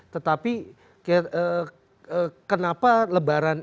tetapi kenapa lebaran